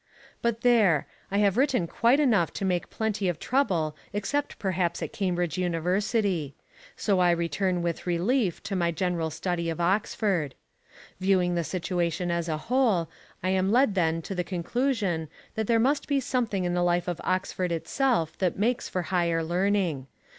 But there I have written quite enough to make plenty of trouble except perhaps at Cambridge University. So I return with relief to my general study of Oxford. Viewing the situation as a whole, I am led then to the conclusion that there must be something in the life of Oxford itself that makes for higher learning.